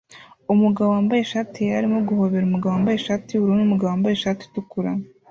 Umugabo wambaye ishati yera arimo guhobera umugabo wambaye ishati yubururu numugabo wambaye ishati itukura